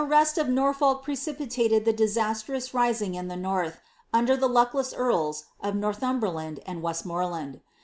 The ■mst of Norfolk precipitated the disastrous rising; in the North^ ander the lacklesa earls of Northumberland and Westmoreland.'